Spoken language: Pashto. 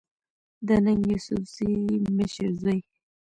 د ننګ يوسفزۍ مشر زوی